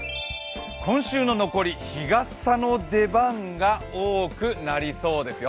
今週の残り日傘の出番が多くなりそうですよ。